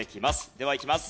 ではいきます。